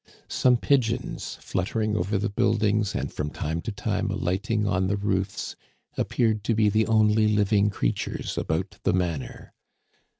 Some pigeons fluttering over the buildings and from time to time alighting on the roofs appeared to be the only living creatures about the manor.